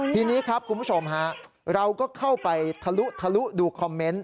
ทีนี้ครับคุณผู้ชมฮะเราก็เข้าไปทะลุทะลุดูคอมเมนต์